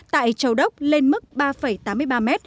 tại châu đốc lên mức ba tám mươi ba m